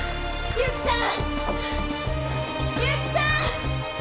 由紀さん！